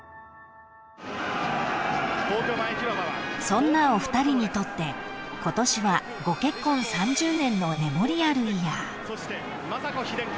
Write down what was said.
［そんなお二人にとってことしはご結婚３０年のメモリアルイヤー］